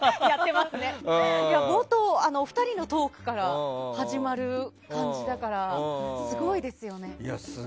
冒頭お二人のトークから始まる感じだからすごいですよね。